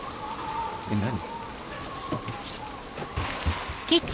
えっ何？